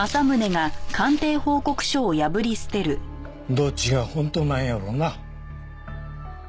どっちが本当なんやろうな。